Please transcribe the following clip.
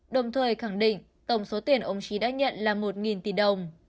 đồng thời khẳng định tổng số tiền ông trí đã nhận là một tỷ đồng